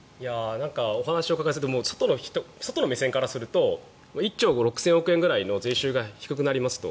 お話をお伺いすると外の目線からすると１兆６０００億円ぐらい税収が低くなりますと。